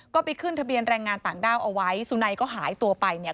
ก็ไปขึ้นทะเบียนแรงงานต่างด้าวเอาไว้สุนัยก็หายตัวไปเนี่ย